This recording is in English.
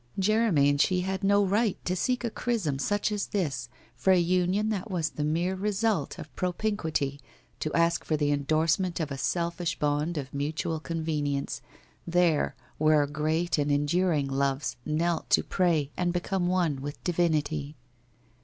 Jeremy and she had no right to seek a chrism such as this for a union that was the mere result of propinquity, to ask for the endorsement of a selfish bond of mutual convenience, there, where great and enduring loves knelt to pray and become one with divinity.